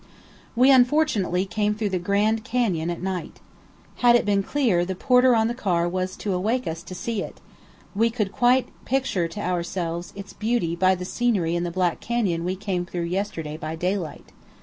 We unfortunately came through the "Grand Canyon" at night. Had it been clear the porter on the car was to awake us to see it; we could quite picture to ourselves its beauties by the scenery in the Black Canyon we came through yesterday by daylight.